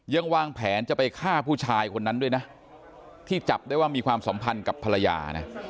วางแผนจะไปฆ่าผู้ชายคนนั้นด้วยนะที่จับได้ว่ามีความสัมพันธ์กับภรรยานะ